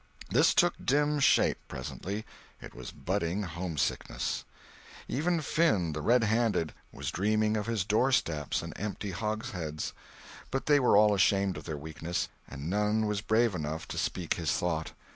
This took dim shape, presently—it was budding homesickness. Even Finn the Red Handed was dreaming of his doorsteps and empty hogsheads. But they were all ashamed of their weakness, and none was brave enough to speak his thought.